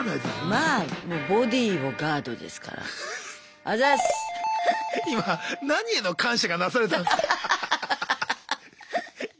まあもうボディーをガードですから今何への感謝がなされたんすか？